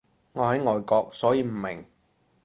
你喺外國所以唔明